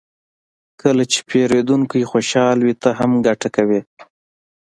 کله چې پیرودونکی خوشحال وي، ته هم ګټه کوې.